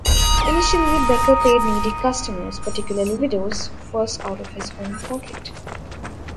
Initially, Becker paid needy customers, particularly widows, first out of his own pocket.